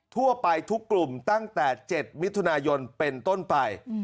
ทั่วไปทุกกลุ่มตั้งแต่๗มิถุนายนเป็นต้นไป